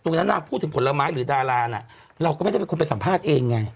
นางพูดถึงผลไม้หรือดาราน่ะเราก็ไม่ได้เป็นคนไปสัมภาษณ์เองไง